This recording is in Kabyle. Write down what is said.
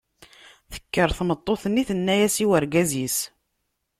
Tekker tmeṭṭut-nni tenna-as i urgaz-is.